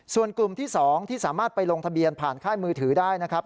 ส่วนกลุ่มที่๒ที่สามารถไปลงทะเบียนผ่านค่ายมือถือได้นะครับ